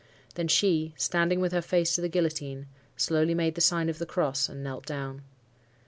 Then she, standing with her face to the guillotine, slowly made the sign of the cross, and knelt down.